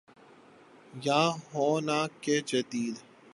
یا ہونا کہ جدید